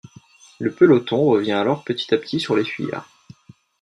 Le peloton revient alors petit à petit sur les fuyards.